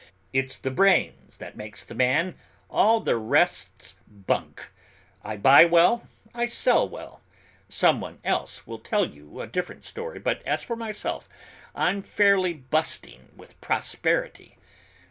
It's the brains that makes the man, all the rest's bunk. I buy well, I sell well, someone else will tell you a different story, but as for myself, I'm fairly busting with prosperity.